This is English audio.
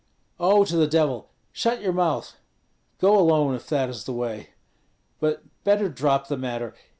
"Oh, to the Devil! Shut your mouth! Go alone, if that is the way; but better drop the matter.